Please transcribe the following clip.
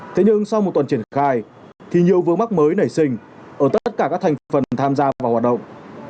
thế nhưng sau một tuần triển khai thì nhiều vương mắc mới nảy sinh ở tất cả các thành phần tham gia vào hoạt động